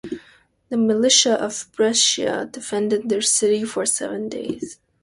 The militia of Brescia defended their city for seven days.